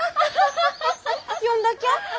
呼んだきゃ？